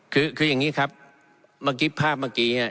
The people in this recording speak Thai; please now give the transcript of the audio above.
คือคืออย่างนี้ครับเมื่อกี้ภาพเมื่อกี้